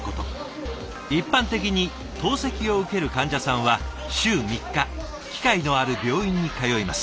一般的に透析を受ける患者さんは週３日機械のある病院に通います。